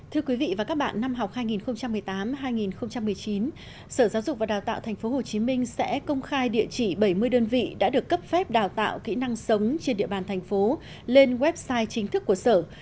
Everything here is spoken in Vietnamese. thưa quý vị và các bạn năm học hai nghìn một mươi tám hai nghìn một mươi chín sở giáo dục và đào tạo tp hcm sẽ công khai địa chỉ bảy mươi đơn vị đã được cấp phép đào tạo kỹ năng sống trên địa bàn thành phố lên website chính thức của sở